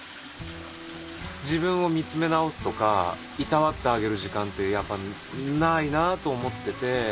自分を見つめ直すとかいたわってあげる時間ってやっぱないなぁと思ってて。